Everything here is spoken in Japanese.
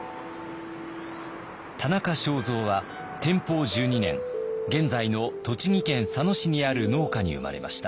田中正造は天保１２年現在の栃木県佐野市にある農家に生まれました。